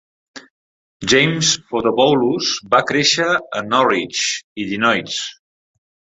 James Fotopoulos va créixer a Norridge, Illinois.